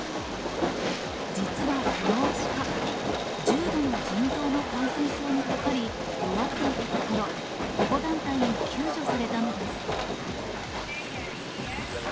実はこのアシカ、重度の腎臓の感染症にかかり、弱っていたところ、保護団体に救助されたのです。